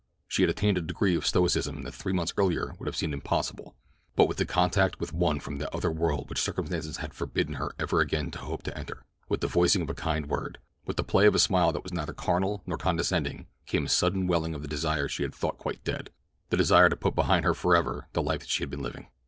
She had attained a degree of stoicism that three months earlier would have seemed impossible; but with contact with one from that other world which circumstances had forbidden her ever again to hope to enter—with the voicing of a kind word—with the play of a smile that was neither carnal nor condescending came a sudden welling of the desire she had thought quite dead—the desire to put behind her forever the life that she had been living.